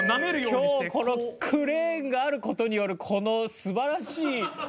今日このクレーンがある事によるこの素晴らしい。